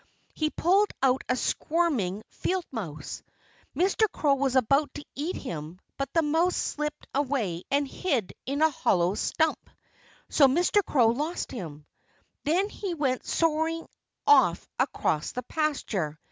He pulled out a squirming field mouse. Mr. Crow was about to eat him; but the mouse slipped away and hid in a hollow stump. So Mr. Crow lost him. Then he went soaring off across the pasture.